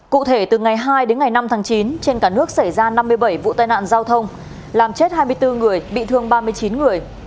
cụ thể từ ngày hai đến ngày năm tháng chín trên cả nước xảy ra năm mươi bảy vụ tai nạn giao thông làm chết hai mươi bốn người bị thương ba mươi chín người